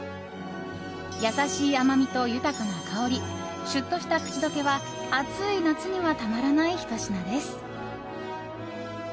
優しい甘みと豊かな香りシュッとした口溶けは暑い夏にはたまらないひと品です。